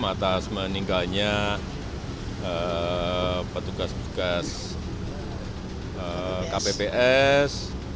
atas meninggalnya petugas petugas kpp s